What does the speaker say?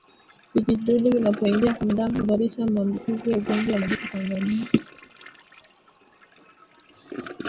Vijidudu vinapoingia kwenye damu husababisha maambukizi ya ugonjwa wa majipu kwa ngamia